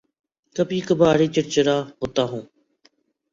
کبھی کبھار ہی چڑچڑا ہوتا ہوں